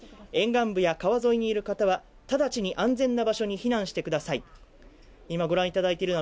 沿岸部や川沿いにいる方は、直ちに安全な場所に避難してください。